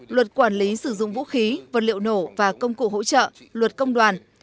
luật quản lý sử dụng vũ khí vật liệu nổ và công cụ hỗ trợ luật công đoàn